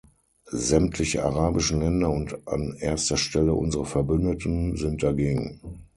Sämtliche arabischen Länder und an erster Stelle unsere Verbündeten sind dagegen.